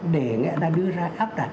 để đưa ra áp đặt